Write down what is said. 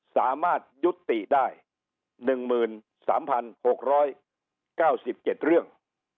สามารถยุติได้๑๓๖๙๗เรื่อง